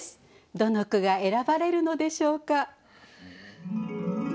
どの句が選ばれるのでしょうか。